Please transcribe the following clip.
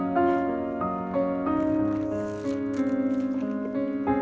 gue juga gak ada kado dari riki